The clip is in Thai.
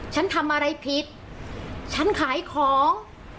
ฉันทำอะไรผิดฉันขายของ